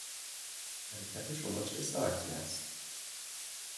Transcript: حرکت شما چه ساعتی است؟